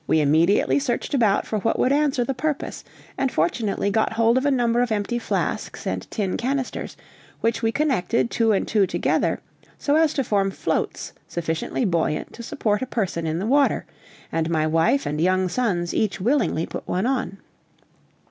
We immediately searched about for what would answer the purpose, and fortunately got hold of a number of empty flasks and tin canisters, which we connected two and two together so as to form floats sufficiently buoyant to support a person in the water, and my wife and young sons each willingly put one on.